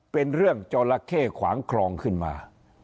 เป็นเรื่องจราเข้ขวางคลองขึ้นมา